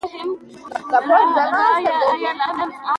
د افغانستان جلکو د افغانانو لپاره په معنوي لحاظ ارزښت لري.